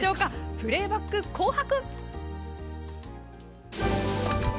プレーバック「紅白」。